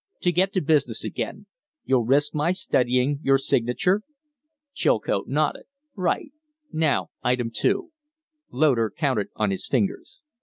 To get to business again. You'll risk my studying your signature?" Chilcote nodded. "Right! Now item two." Loder counted on his: fingers.